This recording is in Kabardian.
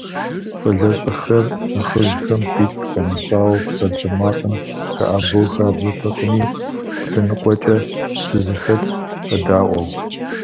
ЩӀалэщӀэхэр нэхъыжьхэм хуит къамыщӀауэ псалъэмакъым хэӀэбэу хабзэтэкъыми, лъэныкъуэкӀэ щызэхэтт, къэдаӀуэу.